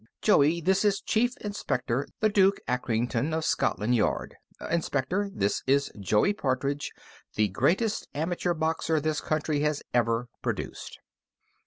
"Joey, this is Chief Inspector the Duke Acrington, of Scotland Yard. Inspector, this is Joey Partridge, the greatest amateur boxer this country has ever produced."